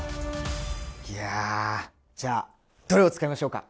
いやじゃあどれを使いましょうか？